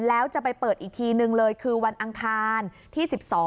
แล้วจะไปเปิดอีกทีนึงเลยคือวันอังคารที่๑๒